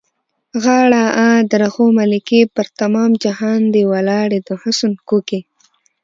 غاړه؛ آ، درخو ملکې! پر تمام جهان دې ولاړې د حُسن کوکې.